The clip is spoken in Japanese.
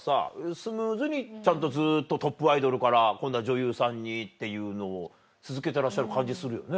スムーズにちゃんとずっとトップアイドルから今度は女優さんにっていうのを続けてらっしゃる感じするよね。